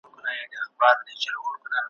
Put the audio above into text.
زړه تپانده له حسرته